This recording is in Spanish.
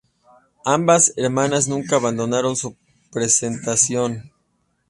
Ambas hermanas nunca abandonaron su pretensión.